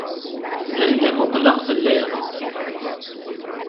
Anda muqleɣ telliḍ.